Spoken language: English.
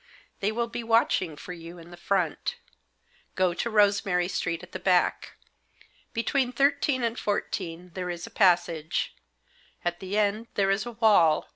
They will be watching for you in the front. Go to Rosemary Street at the back. Between thirteen and fourteen there is a passage. At the end there is a wall.